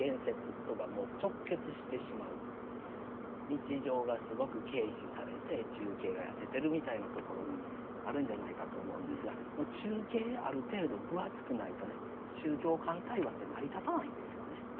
日常がすごく軽視されて中景が痩せてるみたいなところがあるんじゃないかと思うんですが中景ある程度分厚くないとね宗教間対話って成り立たないんですよね。